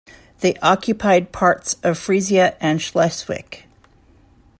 They occupied parts of Frisia and Schleswig.